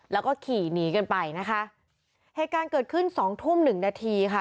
แล้วก็ขี่หนีกันไปนะคะเหตุการณ์เกิดขึ้นสองทุ่มหนึ่งนาทีค่ะ